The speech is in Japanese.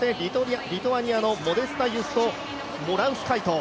そしてリトアニアのモデスタユスト・モラウスカイト。